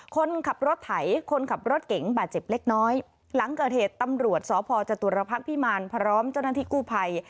คนขับรถไถคนขับรถเก๋งบาดเจ็บเล็กน้อยหลังเกิดเหตุตำรวจสพจตุรพักษ์พิมารพร้อมเจ้าหน้าที่กู้ภัย